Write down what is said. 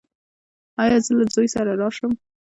ایا زه له زوی سره راشم؟